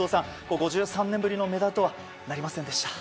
５３年ぶりのメダルとはなりませんでした。